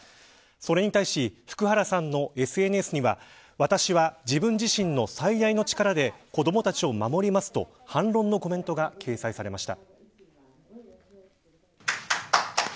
それに対し福原さんのＳＮＳでは私は、自分自身の最大の力で子どもたちを守りますと反論のコメントが掲載されました。